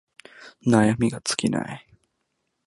悩みが尽きない